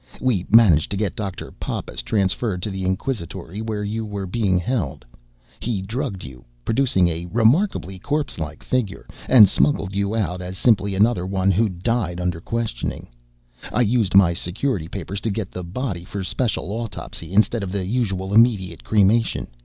We managed to get Dr. Pappas transferred to the inquisitory where you were being held. He drugged you, producing a remarkably corpse like figure, and smuggled you out as simply another one who'd died under questioning. I used my Security papers to get the body for special autopsy instead of the usual immediate cremation.